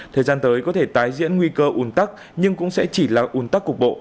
thời gian tới có thể tái diễn nguy cơ ủn tắc nhưng cũng sẽ chỉ là un tắc cục bộ